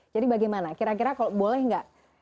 jadi bagaimana kira kira kalau boleh nggak